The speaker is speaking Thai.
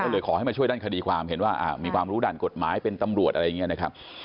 ก็เลยขอให้มาช่วยด้านคดีความเห็นว่ามีความรู้ด้านกฎหมายเป็นตำรวจอะไรอย่างนี้นะครับ